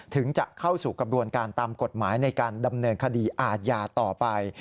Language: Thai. ถึงจะเข้าสู่กระบวนการตามกฎหมายในการดำเนินคดีอาญาต่อไป